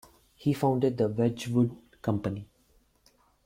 He founded the Wedgwood company.